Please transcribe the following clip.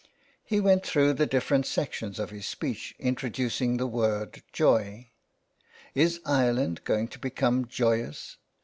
He went through the different sections of his speech introducing the word joy : Is Ireland going to become joyous